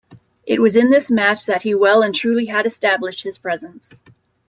It was in this match that he well and truly had established his presence.